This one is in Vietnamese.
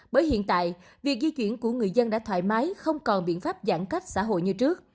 bởi hiện tại việc di chuyển của người dân đã thoải mái không còn biện pháp giãn cách xã hội như trước